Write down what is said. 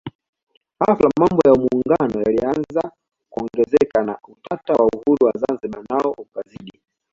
Ghafla mambo ya Muungano yalianza kuongezeka na utata wa uhuru wa Zanzibar nao ukazidi